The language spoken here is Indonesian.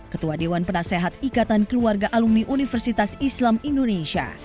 ketua dewan penasehat ikatan keluarga alumni universitas islam indonesia